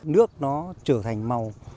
nước nó trở thành màu